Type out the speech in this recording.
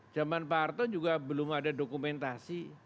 zaman pak harto juga belum ada dokumentasi